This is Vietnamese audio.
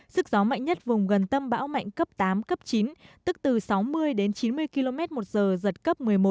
sức gió mạnh nhất vùng gần tâm bão mạnh cấp tám cấp chín tức từ sáu mươi đến chín mươi km một giờ giật cấp một mươi một